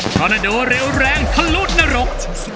อนาโดเร็วแรงทะลุนรก